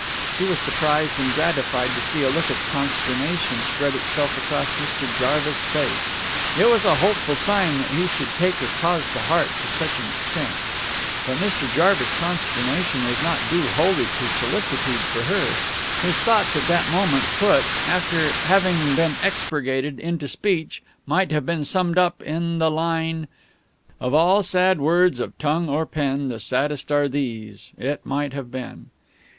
She was surprised and gratified to see a look of consternation spread itself across Mr. Jarvis' face. It was a hopeful sign that he should take her cause to heart to such an extent. But Mr. Jarvis' consternation was not due wholly to solicitude for her. His thoughts at that moment, put, after having been expurgated, into speech, might have been summed up in the line: "Of all sad words of tongue or pen the saddest are these, 'It might have been'!"